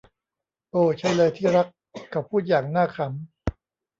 โอ้ ใช่เลยที่รัก เขาพูดอย่างน่าขำ